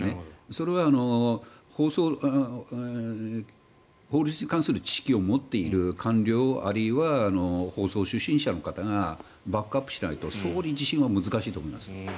それは法律に関する知識を持っている官僚あるいは法曹出身者の方がバックアップしないと総理自身は難しいと思います。